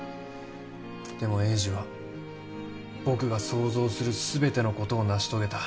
でも栄治は僕が想像する全てのことを成し遂げた。